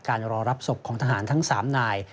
รอรับศพของทหารทั้ง๓นาย